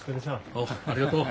おうありがとう。